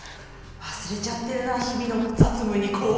忘れちゃってるな日々の雑務にこう。